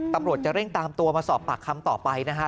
ตำรวจจะเร่งตามตัวมาสอบปากคำต่อไปนะฮะ